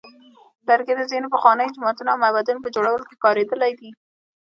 لرګي د ځینو پخوانیو جوماتونو او معبدونو په جوړولو کې کارېدلی دی.